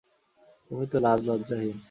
তুমি তো লাজ-লজ্জ্বাহীন।